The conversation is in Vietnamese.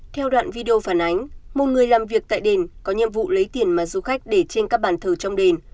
theo đoạn video phản ánh một người làm việc tại đền có nhiệm vụ lấy tiền mà du khách để trên các bàn thờ trong đền